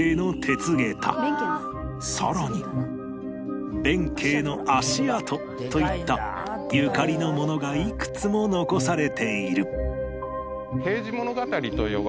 さらに弁慶の足跡といったゆかりのものがいくつも残されている